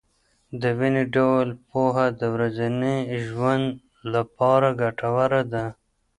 دویني ډول پوهه د ورځني ژوند لپاره ګټوره ده.